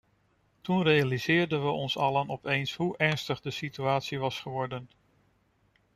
Toen realiseerden we ons allen opeens hoe ernstig de situatie was geworden.